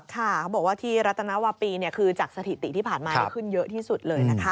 ค่ะเขาบอกว่าทีรัฐนวปีเนี่ยคือจากสถิติที่ผ่านมาได้ขึ้นเยอะที่สุดเลยนะครับ